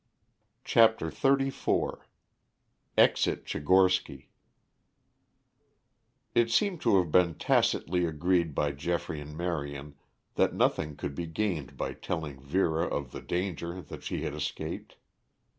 CHAPTER XXXIV EXIT TCHIGORSKY It seemed to have been tacitly agreed by Geoffrey and Marion that nothing could be gained by telling Vera of the danger that she had escaped.